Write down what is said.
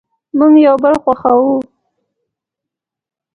مونږ یو بل خوښوو